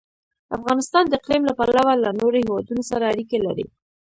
افغانستان د اقلیم له پلوه له نورو هېوادونو سره اړیکې لري.